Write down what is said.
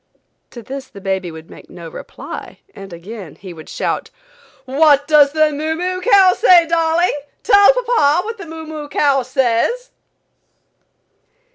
To this the baby would make no reply and again he would shout: "What does the moo moo cow say, darling; tell papa what the moo moo cow says?"